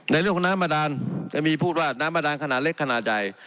ในเรื่องของน้ำบาดานจะมีพูดว่าน้ำบาดานขนาดเล็กขนาดใหญ่